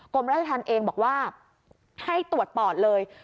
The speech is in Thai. กรมราชธรรมเองบอกว่าให้ตรวจปอดเลย